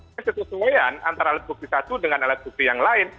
kesesuaian antara alat bukti satu dengan alat bukti yang lain